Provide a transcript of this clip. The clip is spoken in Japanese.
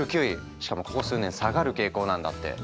しかもここ数年下がる傾向なんだって。